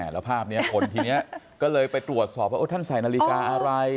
แล้วภาพนี้คนทีนี้ก็เลยไปตรวจสอบว่าท่านใส่นาฬิกาอะไร